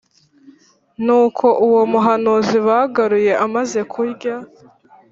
Nuko uwo muhanuzi bagaruye amaze kurya